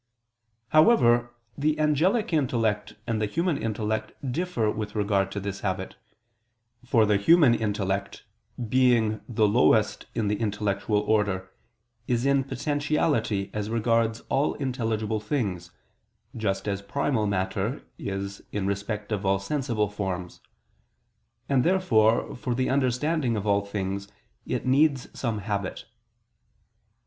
However, the angelic intellect and the human intellect differ with regard to this habit. For the human intellect, being the lowest in the intellectual order, is in potentiality as regards all intelligible things, just as primal matter is in respect of all sensible forms; and therefore for the understanding of all things, it needs some habit.